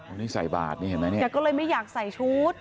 วันนี้ใส่บาทนี่เห็นไหมเนี่ยแกก็เลยไม่อยากใส่ชุด